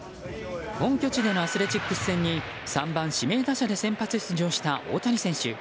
本拠地でのアスレチックス戦に３番指名打者で先発出場した大谷選手。